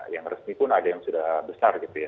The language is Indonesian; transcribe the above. yang resmi pun ada yang sudah besar gitu ya